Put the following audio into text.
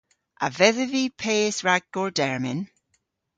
A vedhav vy peys rag gordermyn?